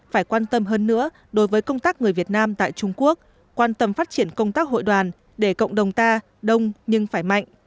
phải quan tâm hơn nữa đối với công tác người việt nam tại trung quốc quan tâm phát triển công tác hội đoàn để cộng đồng ta đông nhưng phải mạnh